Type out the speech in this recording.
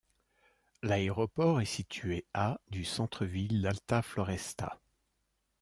L'aéroport est situé à du centre-ville d'Alta Floresta.